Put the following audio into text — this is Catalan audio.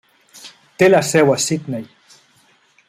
Té la seu a Sydney.